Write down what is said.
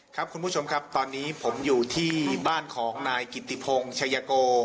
ครับคุณผู้ชมครับตอนนี้ผมอยู่ที่บ้านของนายกิติพงศ์ชัยโก